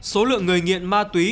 số lượng người nghiện ma túy